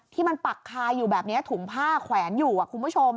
ที่มันปักคาอยู่แบบนี้ถุงผ้าแขวนอยู่คุณผู้ชม